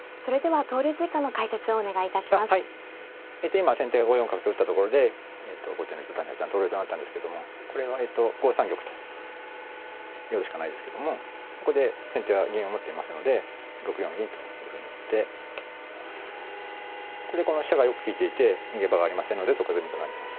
今先手が５四角と打ったところで後手の糸谷八段投了となったんですけどもこれはえっと５三玉と寄るしかないですけどもそこで先手が銀を持っていますので６四銀というふうに打ってこれでこの飛車がよく利いていて逃げ場がありませんので即詰みとなります。